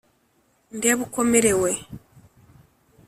Ndebe uko mererwa